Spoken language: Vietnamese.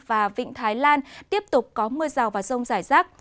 và vịnh thái lan tiếp tục có mưa rào và rông rải rác